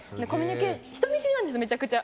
人見知りなんです、めちゃくちゃ。